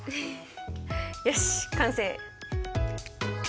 よし完成！